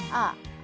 あ！